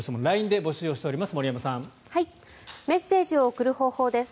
ＬＩＮＥで募集しています。